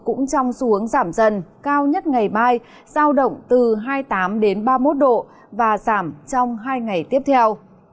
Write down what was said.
cũng trong xu hướng giảm dần cao nhất ngày mai sao động từ hai mươi tám đến ba mươi một độ và giảm trong hai ngày tiếp theo